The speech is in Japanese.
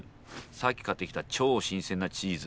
さっき買ってきた超新鮮なチーズ。